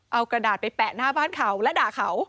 เอากระดาษไปแปะหน้าบ้านเขาและด่าเขา